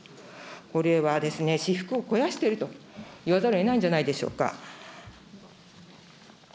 これはですね、私腹を肥やしていると言わざるをえないんじゃないでしょうか。